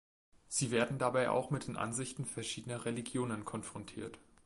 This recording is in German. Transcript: Sie werden dabei auch mit den Ansichten verschiedener Religionen konfrontiert.